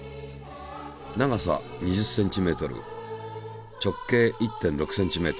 長さ２０ｃｍ直径１．６ｃｍ。